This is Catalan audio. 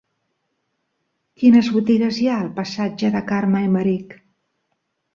Quines botigues hi ha al passatge de Carme Aymerich?